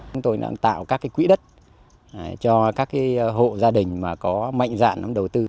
chúng tôi đang tạo các cái quỹ đất cho các cái hộ gia đình mà có mạnh dạng đầu tư